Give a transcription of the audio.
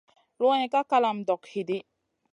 Luwayn ka kalama dog hidi.